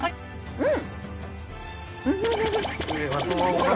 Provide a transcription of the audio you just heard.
うん。